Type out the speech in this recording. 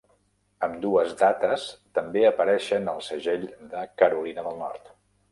Ambdues dates també apareixen al segell de Carolina del Nord.